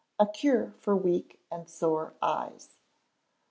A Cure for Weak and Sore Eyes.